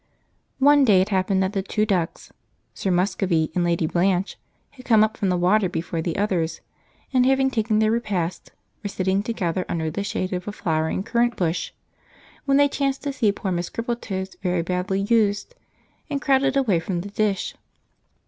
One day it happened that the two ducks Sir Muscovy and Lady Blanche had come up from the water before the others, and having taken their repast were sitting together under the shade of a flowering currant bush, when they chanced to see poor Miss Crippletoes very badly used and crowded away from the dish.